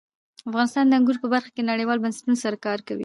افغانستان د انګور په برخه کې نړیوالو بنسټونو سره کار کوي.